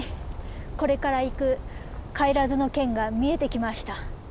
これから行く不帰ノ嶮が見えてきました。